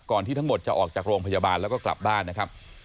ที่ทั้งหมดจะออกจากโรงพยาบาลแล้วก็กลับบ้านนะครับ